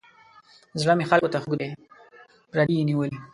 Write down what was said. زړه مې خلکو ته خوږ دی پردي یې نیولي.